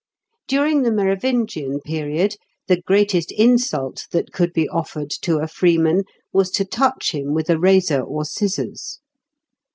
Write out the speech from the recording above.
Durinig the Merovingian period, the greatest insult that could be offered to a freeman was to touch him with a razor or scissors.